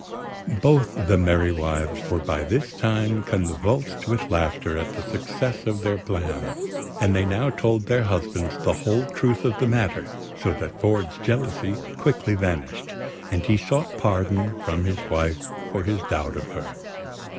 Both the merry wives were by this time convulsed with laughter at the success of their plan; and they now told their husbands the whole truth of the matter, so that Ford's jealousy quickly vanished, and he sought pardon from his wife for his doubt of her.